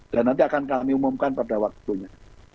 dan nanti akan kami umumkan pada waktunya